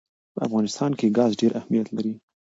په افغانستان کې ګاز ډېر اهمیت لري.